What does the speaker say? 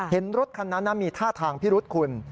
เห็นรถคันนั้นมีท่าทางพิรุษคุณ